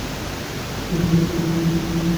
যোগমায়া বললেন, এখনো আসে নি।